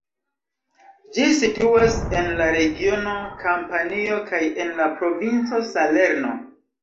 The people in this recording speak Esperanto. Ĝi situas en la regiono Kampanio kaj en la provinco Salerno.